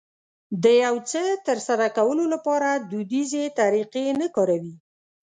د يو څه ترسره کولو لپاره دوديزې طريقې نه کاروي.